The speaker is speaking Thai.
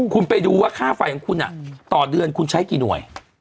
คุณไปดูว่าค่าไฟของคุณต่อเดือนคุณใช้กี่หน่วย